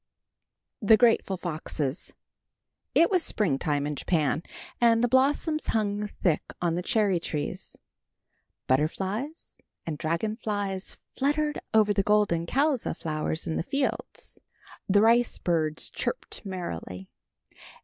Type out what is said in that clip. THE GRATEFUL FOXES. It was springtime in Japan, and the blossoms hung thick on the cherry trees. Butterflies and dragon flies fluttered over the golden colza flowers in the fields. The rice birds chirped merrily.